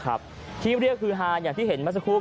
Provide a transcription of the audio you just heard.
คุณผู้ชมไปฟังเสียงกันหน่อยว่าเค้าทำอะไรกันบ้างครับ